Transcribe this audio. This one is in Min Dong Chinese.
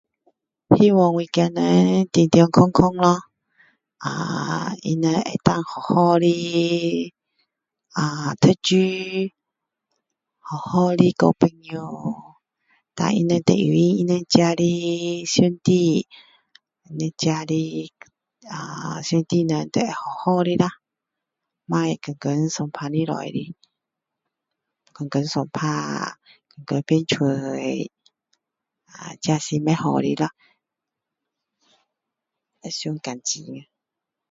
希望我的孩子们健健康康咯他们会好好的读书好好的交朋友然后他们最重要自己的兄弟他们自己的兄弟都会好好的啦不要天天吵架天天吵架天天辫嘴啊这是不好的啦会伤感情呀